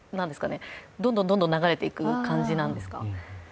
どんどん流れていく感じなんですか？